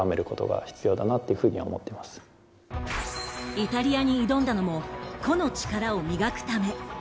イタリアに挑んだのも個の力を磨くため。